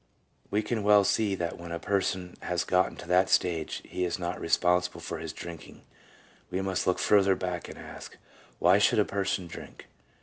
1 We can well see that when a person has gotten to that stage he is not responsible for his drinking; we must look further back and ask, Why should a person drink